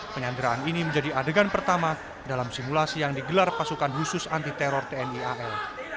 penyanderaan ini menjadi adegan pertama dalam simulasi yang digelar pasukan khusus anti teror tni al